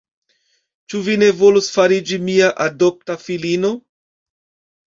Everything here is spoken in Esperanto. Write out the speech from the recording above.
Ĉu vi ne volus fariĝi mia adopta filino?